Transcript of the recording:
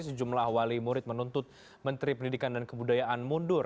sejumlah wali murid menuntut menteri pendidikan dan kebudayaan mundur